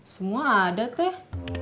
semua ada teh